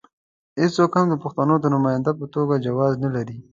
هېڅوک هم د پښتنو د نماینده په توګه جواز نه لري.